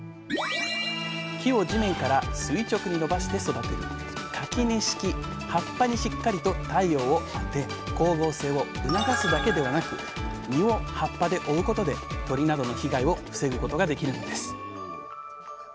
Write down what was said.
木を地面から垂直に伸ばして育てる葉っぱにしっかりと太陽を当て光合成を促すだけではなく実を葉っぱで覆うことで鳥などの被害を防ぐことができるのです。